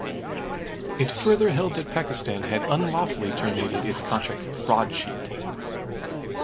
It further held that Pakistan had unlawfully terminated its contract with Broadsheet.